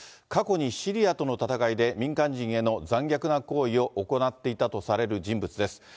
過去にシリアとの戦いで、民間人への残虐な行為を行っていたとされる人物です。